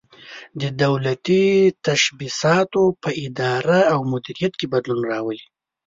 د دولتي تشبثاتو په اداره او مدیریت کې بدلون راولي.